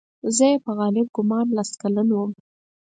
زه چې په غالب ګومان لس کلن وم.